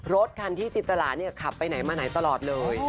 รถคันที่จินตราเนี่ยขับไปไหนมาไหนตลอดเลย